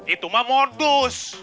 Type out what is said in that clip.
itu mah modus